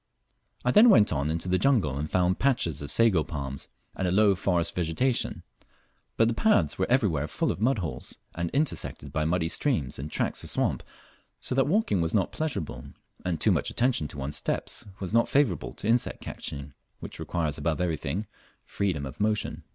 I then went on into the jungle and found patches of sago palms and a low forest vegetation, but the paths were everywhere full of mud holes, and intersected by muddy streams and tracts of swamp, so that walking was not pleasurable, and too much attention to one's steps was not favourable to insect catching, which requires above everything freedom of motion.